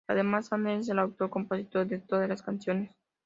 Además, Sanz es el autor y compositor de todas las canciones.